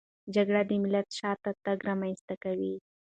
جګړه د ملت شاتګ رامنځته کوي.